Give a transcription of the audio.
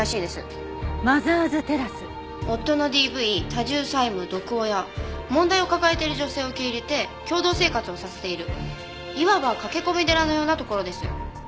夫のＤＶ多重債務毒親問題を抱えている女性を受け入れて共同生活をさせているいわば駆け込み寺のようなところです。